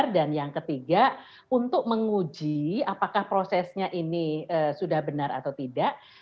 dan yang ketiga untuk menguji apakah prosesnya ini sudah benar atau tidak